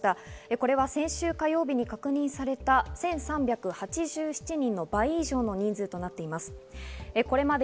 これは先週の火曜日に確認された１３８７人の倍以上の人数となっています。